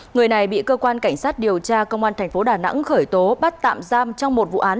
người này bị cơ quan cảnh sát điều tra công an thành phố đà nẵng khởi tố bắt tạm giam trong một vụ án